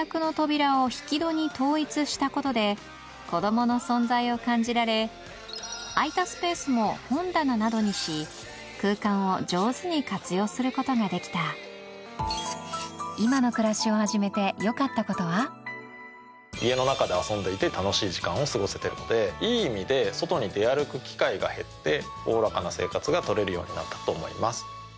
したことで子供の存在を感じられ空いたスペースも本棚などにし空間を上手に活用することができた家の中で遊んでいて楽しい時間を過ごせてるのでいい意味で外に出歩く機会が減っておおらかな生活が取れるようになったと思います。